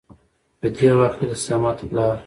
په دې وخت کې د صمد پلار